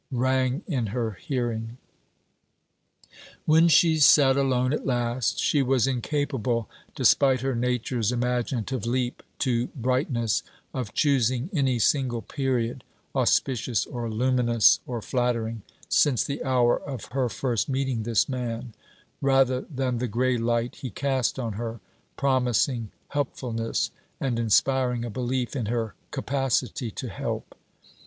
rang in her hearing. When she sat alone at last, she was incapable, despite her nature's imaginative leap to brightness, of choosing any single period, auspicious or luminous or flattering, since the hour of her first meeting this man, rather than the grey light he cast on her, promising helpfulness, and inspiring a belief in her capacity to help.